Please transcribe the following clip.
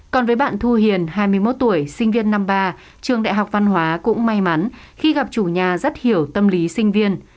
còn với bạn thu hiền hai mươi một tuổi sinh viên năm ba trường đại học văn hóa cũng may mắn khi gặp chủ nhà rất hiểu tâm lý sinh viên